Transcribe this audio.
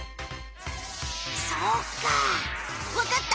そっかわかった！